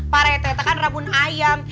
parete kan rabun ayam